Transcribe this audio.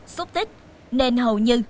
xúc tích nên hầu như